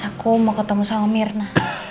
aku mau ketemu sama mirna